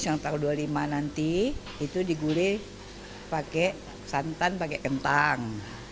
dua puluh lima nanti itu digulih pakai santan pakai kentang